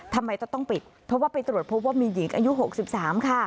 ทำไมต้องปิดเพราะว่าไปตรวจพบว่ามีหญิงอายุ๖๓ค่ะ